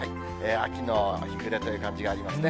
秋の日暮れという感じがありますね。